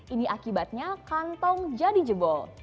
ini akibatnya kantong jadi jebol